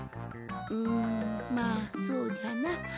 んまあそうじゃな。